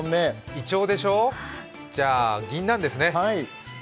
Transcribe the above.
いちょうでしょう、じゃあ、ぎんなんですね？